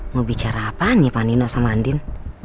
mau bicara apa nih pak nino sama andin